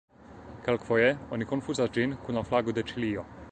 Kelkfoje oni konfuzas ĝin kun la flago de Ĉilio.